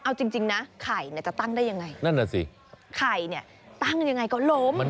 เอาจริงนะไข่จะตั้งได้ยังไงไข่ตั้งยังไงก็ล้ม